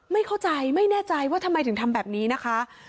ไม่เข้าใจไม่แน่ใจว่าทำไมถึงทำแบบนี้นะคะ